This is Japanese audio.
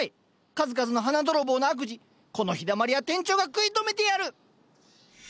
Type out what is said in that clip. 数々の花泥棒の悪事この陽だまり屋店長が食い止めてやる！